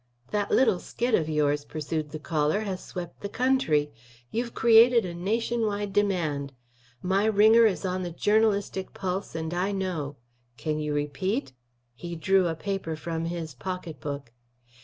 "That little skit of yours," pursued the caller, "has swept the country. You have created a nation wide demand. My ringer is on the journalistic pulse, and I know. Can you repeat?" He drew a paper from his pocketbook.